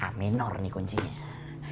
a minor nih kuncinya